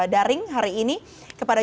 daring hari ini kepada